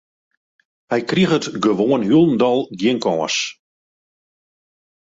Hy kriget gewoan hielendal gjin kâns.